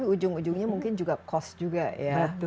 ujung ujungnya mungkin juga cost juga ya